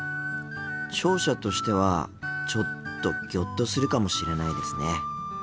聴者としてはちょっとギョッとするかもしれないですね。